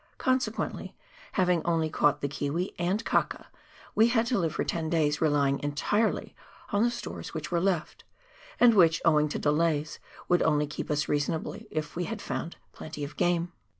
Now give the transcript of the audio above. Con sequently, having only caught the kiwi and kaka, we had to live for ten days, relying entirely on the stores which were left, and which, owing to delays, would only keep us reasonably if we had found plenty of game.